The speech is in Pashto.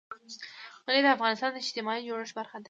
منی د افغانستان د اجتماعي جوړښت برخه ده.